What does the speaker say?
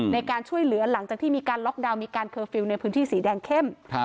ในการช่วยเหลือหลังจากที่มีการล็อกดาวน์มีการเคอร์ฟิลล์ในพื้นที่สีแดงเข้ม